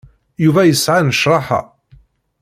Yuba isɛa nnecṛaḥa.